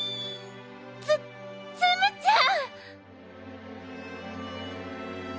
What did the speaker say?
ツツムちゃん！？